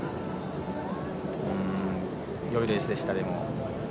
よいレースでした。